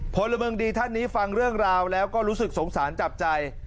พลเมืองดีท่านนี้ฟังเรื่องราวแล้วก็รู้สึกสงสารจับใจ